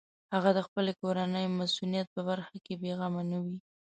هغه د خپلې کورنۍ مصونیت په برخه کې بېغمه نه وي.